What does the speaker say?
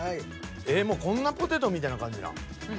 ええもうこんなポテトみたいな感じなん？